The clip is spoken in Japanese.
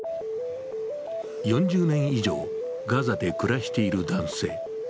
４０年以上、ガザで暮らしている男性。